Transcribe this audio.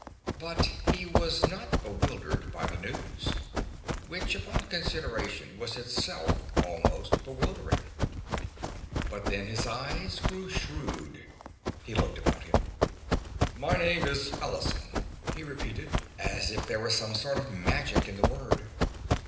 But he was not bewildered by the news. Which, upon consideration, was itself almost bewildering. But then his eyes grew shrewd. He looked about him. "My name is Allison," he repeated, as if there were some sort of magic in the word.